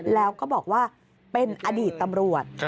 แล้วก็บอกว่าเป็นอดีตตำรวจ